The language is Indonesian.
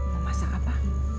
mau masak apa